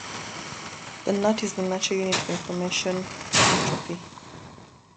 The nat is the natural unit for information entropy.